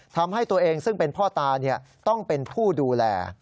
ทำให้ตัวเองซึ่งเป็นพ่อตาต้องเป็นผู้ดูแล